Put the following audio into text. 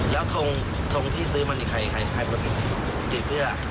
แล้วทรงที่ซื้อมันใครติดเพื่อ